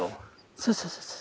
そうそうそうそう。